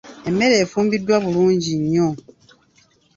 Emmere efumbiddwa bulungi nnyo.